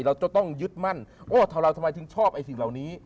เราจะต้องยึดมั่นว่าเราทำไมถึงชอบไอ้สิ่งเหล่านี้